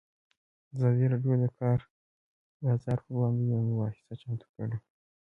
ازادي راډیو د د کار بازار پر وړاندې یوه مباحثه چمتو کړې.